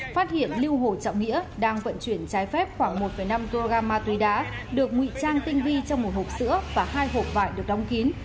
phát hiện lưu hồ trọng nghĩa đang vận chuyển trái phép khoảng một năm kg ma túy đá được nguy trang tinh vi trong một hộp sữa và hai hộp vải được đóng kín